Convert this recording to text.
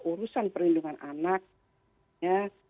urusan perlindungan anaknya